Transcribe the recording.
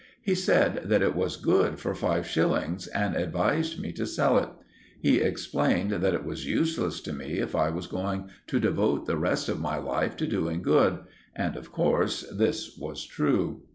He said that it was good for five shillings and advised me to sell it. He explained that it was useless to me if I was going to devote the rest of my life to doing good; and of course this was true.